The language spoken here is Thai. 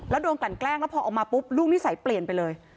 แล้วโดนกลั่นแกล้งแล้วพอออกมาปุ๊บลูกนิสัยเปลี่ยนไปเลย